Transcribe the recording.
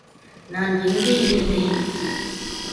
நான் எங்கே இருந்தேன்?